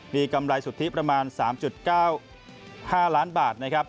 มีกำไรสุทธิประมาณ๓๙๕ล้านบาท